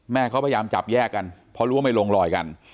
แม่เขาพยายามจับแยกกันเพราะรู้ว่าไม่ลงลอยกัน